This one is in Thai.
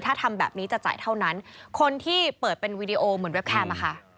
ถ้าทำแบบนี้จะจ่ายเท่านั้นคนที่เปิดเป็นวีดีโอเหมือนเว็บแคมปะค่ะ